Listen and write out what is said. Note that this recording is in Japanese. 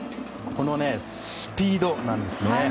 スピードなんですね。